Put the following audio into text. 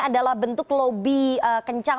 adalah bentuk lobby kencang